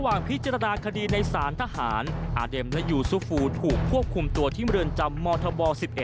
พิจารณาคดีในศาลทหารอาเด็มและยูซูฟูถูกควบคุมตัวที่เมืองจำมธบ๑๑